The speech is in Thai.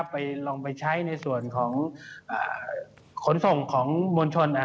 ไปลองไปใช้ในส่วนของขนส่งของมวลชน